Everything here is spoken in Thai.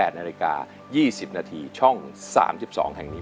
๘นาฬิกา๒๐นาทีช่อง๓๒แห่งนี้